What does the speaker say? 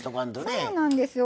そうなんですよ。